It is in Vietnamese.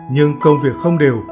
nhưng công việc không đều